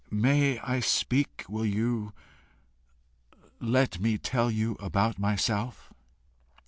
May I speak? Will you let me talk about myself?"